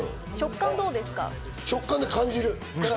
食感は感じる。